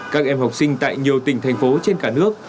các em học sinh tại nhiều tỉnh thành phố trên cả nước